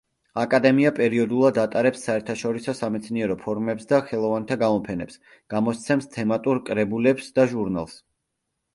აკადემია პერიოდულად ატარებს საერთაშორისო სამეცნიერო ფორუმებს და ხელოვანთა გამოფენებს, გამოსცემს თემატურ კრებულებს და ჟურნალს.